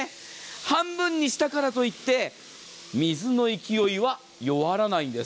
半分にしたからといって水の勢いは弱らないんです。